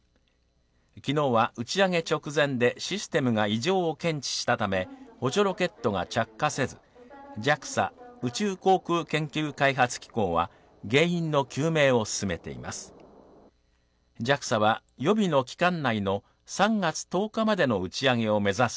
昨日は打ち上げ直前でシステムが異常を検知したため補助ロケットが着火せずＪＡＸＡ＝宇宙航空研究開発機構は原因の究明を進めています。